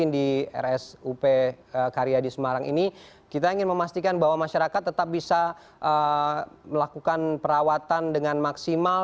di rsup karya di semarang ini kita ingin memastikan bahwa masyarakat tetap bisa melakukan perawatan dengan maksimal